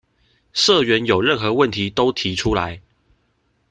社員有任何問題都提出來